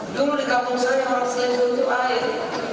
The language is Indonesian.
dulu di kampung saya maksudnya itu air